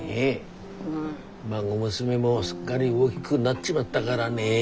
孫娘もすっかり大きぐなっちまったからね。